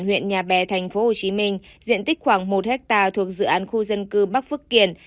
huyện nhà bè tp hcm diện tích khoảng một hectare thuộc dự án khu dân cư bắc phước kiển